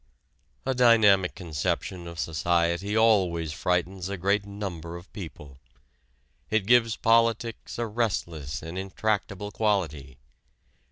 A dynamic conception of society always frightens a great number of people. It gives politics a restless and intractable quality.